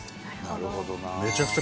なるほどな。